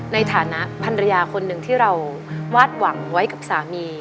ในฐานะพันรยาคนหนึ่งที่เราวาดหวังไว้กับสามี